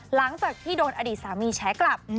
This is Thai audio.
หลังจากที่โดนอดีตสามีแฉกลับ